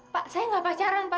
pak saya nggak pacaran pak